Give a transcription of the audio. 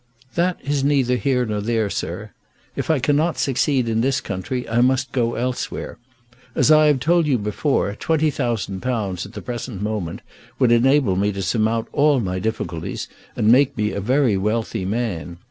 "That is neither here nor there, sir. If I cannot succeed in this country I must go elsewhere. As I have told you before, £20,000 at the present moment would enable me to surmount all my difficulties, and make me a very wealthy man.